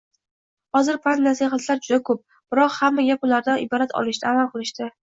Hozir pand-nasihatlar juda ko‘p, biroq hamma gap ulardan ibrat olishda, amal qilishda.